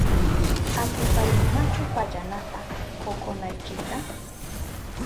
¿Atipaynimachu pallanata kokonaykita?